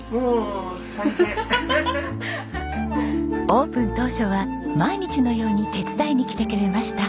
オープン当初は毎日のように手伝いに来てくれました。